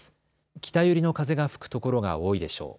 北寄りの風が吹くところが多いでしょう。